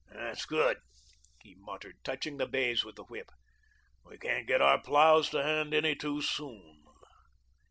"That's good," he muttered, touching the bays with the whip, "we can't get our ploughs to hand any too soon."